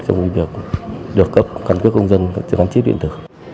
trong việc được cấp căn cứ công dân các trường hành chức điện tử